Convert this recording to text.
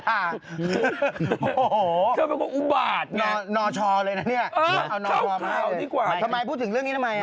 ทำไมพูดถึงเรื่องนี้ทำไม